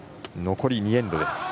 残り２エンドです。